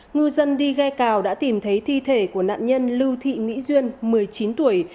ngư dân đi ghe cào đã tìm thấy thi thể của nạn nhân lưu thị mỹ duyên một mươi chín tuổi